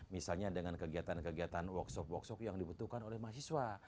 misalnya dengan kegiatan kegiatan workshop workshop yang dibutuhkan oleh mahasiswa